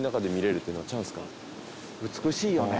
美しいよね。